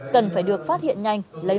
cần phải được phát hiện nhanh lấy mẫu